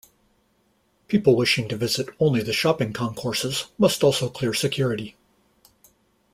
People wishing to visit only the shopping concourses must also clear security.